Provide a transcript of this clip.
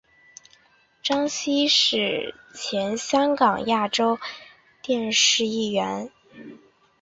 张茜是前香港亚洲电视艺员颜子菲的表姑姑。